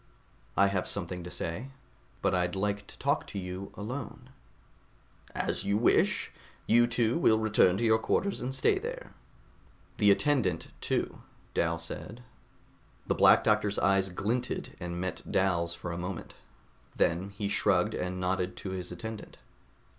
"I have something to say, but I'd like to talk to you alone." "As you wish. You two will return to your quarters and stay there." "The attendant, too," Dal said. The Black Doctor's eyes glinted and met Dal's for a moment. Then he shrugged and nodded to his attendant.